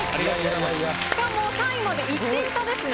しかも３位まで１点差ですね。